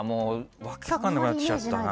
訳分からなくなってきちゃったな。